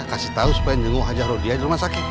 kasih tau supaya nunggu haji rodia di rumah sakit